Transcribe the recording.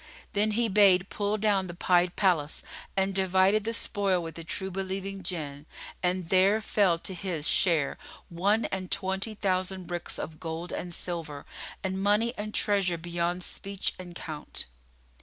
Then he bade pull down the Pied Palace and divided the spoil with the true believing Jinn, and there fell to his share one and twenty thousand bricks of gold and silver and money and treasure beyond speech and count.